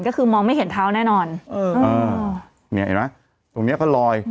ก็คือมองไม่เห็นเท้าแน่นอนเอออ่าเนี่ยเห็นไหมตรงเนี้ยก็ลอย